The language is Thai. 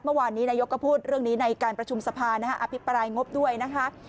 นายกก็พูดเรื่องนี้ในการประชุมสภาอภิปรายงบด้วยนะคะ